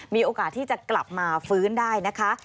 มีโอกาสที่จะกลับมาฟื้นได้นะคะ